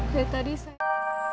dari tadi saya